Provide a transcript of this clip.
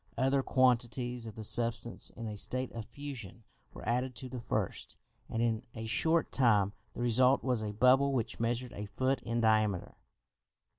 Other quantities of the substance in a state of fusion were added to the first, and in a short time the result was a bubble which measured a foot in diameter.